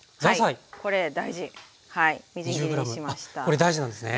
これ大事なんですね。